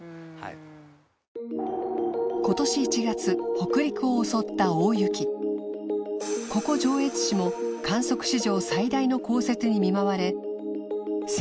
北陸を襲った大雪磴海上越市も観測史上最大の降雪に見舞われ源瑳圓